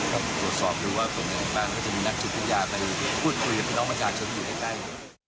ก็ตรวจสอบว่าปรุงในไหนบ้างก็จะมีนักชุดพุทธยาไปพูดคุยกับพี่น้องมจชั้นอยู่ในใกล้